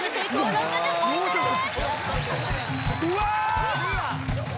６０ポイントです